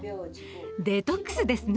デトックスですね。